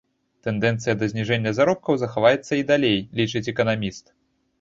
Тэндэнцыя да зніжэння заробкаў захаваецца і далей, лічыць эканаміст.